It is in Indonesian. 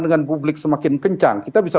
dengan publik semakin kencang kita bisa